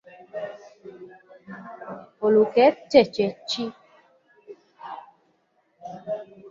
Olukette kye ki?